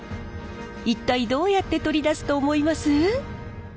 一体どうやって取り出すと思います？